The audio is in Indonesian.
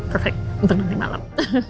perfect untuk nanti malam